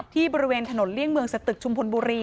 บริเวณถนนเลี่ยงเมืองสตึกชุมพลบุรี